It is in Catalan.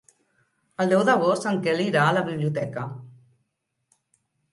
El deu d'agost en Quel irà a la biblioteca.